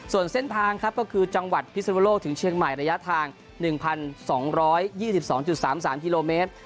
ส่วนเส้นทางครับก็คือจังหวัดพิศนุโลกถึงเชียงใหม่ระยะทาง๑๒๒๓๓กิโลเมตร